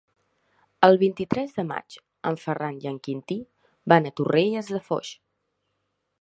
El vint-i-tres de maig en Ferran i en Quintí van a Torrelles de Foix.